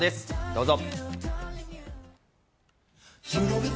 どうぞ。